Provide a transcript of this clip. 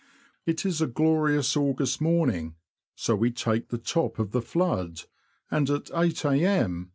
^T is a glorious August morning, so we take the top njtj of the flood, and at 8 A.M.